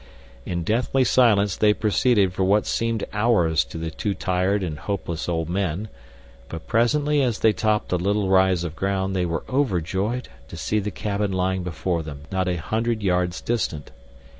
In deathly silence they proceeded for what seemed hours to the two tired and hopeless old men; but presently as they topped a little rise of ground they were overjoyed to see the cabin lying before them, not a hundred yards distant.